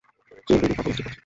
জি, দিদি কাপড় ইস্ত্রি করছে।